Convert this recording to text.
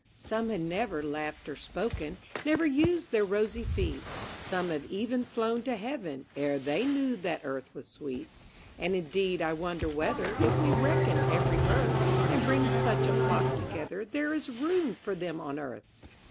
Some have never laughed nor spoken, Never used their rosy feet; Some have even flown to heaven, Ere they knew that earth was sweet. And indeed, I wonder whether, If we reckon every birth, And bring such a flock together, There is room for them on earth.